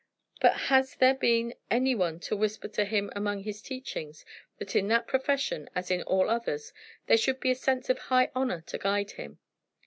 But has there been any one to whisper to him among his teachings that in that profession, as in all others, there should be a sense of high honor to guide him?